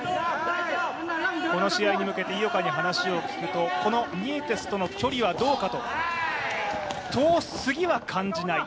この試合に向けて井岡に話を聞くとこのニエテスの距離はどうかと遠すぎは感じない。